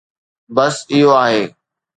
بس اهو آهي.